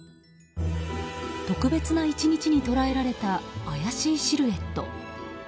特別な１日に捉えられた怪しいシルエット。